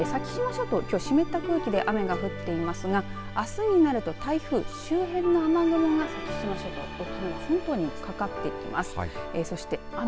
先島諸島きょう湿った空気で雨が降っていますがあすになると台風周辺の雨雲が先島諸島本島にかかってきます。